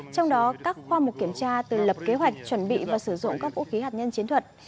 trong đó các khoa mục kiểm tra từ lập kế hoạch chuẩn bị và sử dụng các vũ khí hạt nhân chiến thuật